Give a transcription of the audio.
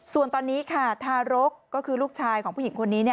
ส่วนตอนนี้ค่ะทารกก็คือลูกชายของผู้หญิงคนนี้